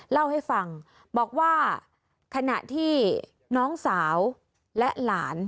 เล่าให้ฟังบอกว่าขณะที่น้องสาวและหลาน